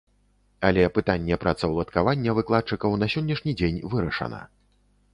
Але пытанне працаўладкавання выкладчыкаў на сённяшні дзень вырашана.